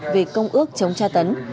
về công ước chống tra tấn